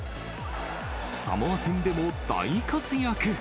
サモア戦でも大活躍。